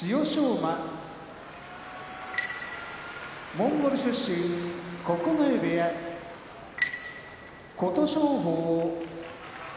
馬モンゴル出身九重部屋琴勝峰